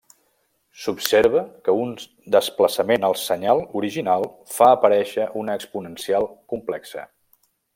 S'observa que un desplaçament al senyal original fa aparèixer una exponencial complexa.